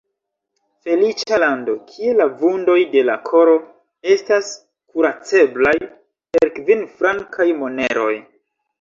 Feliĉa lando, kie la vundoj de la koro estas kuraceblaj per kvin-frankaj moneroj!